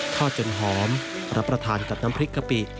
ทอดจนหอมรับประทานกับน้ำพริกกะปิ